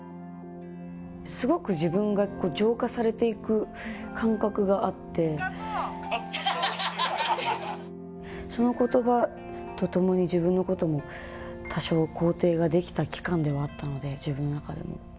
すごく自分が浄化されていく感覚があって、そのことばとともに自分のことを多少肯定ができた期間ではあったので、自分の中でも。